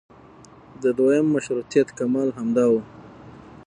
د دویم مشروطیت کمال همدا و.